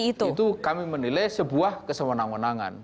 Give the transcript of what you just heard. perpu sendiri itu kami menilai sebuah kesewenang wenangan